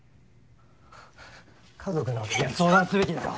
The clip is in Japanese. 家族の俺には相談すべきだろ。